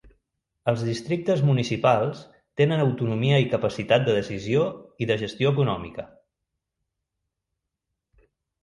Els districtes municipals tenen autonomia i capacitat de decisió i de gestió econòmica.